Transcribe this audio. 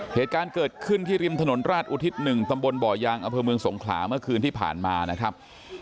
เหตุการณ์เกิดขึ้นที่ริมถนนราชอุทิศ๑ตำบลบ่อยางอำเภอเมืองสงขลาเมื่อคืนที่ผ่านมานะครับ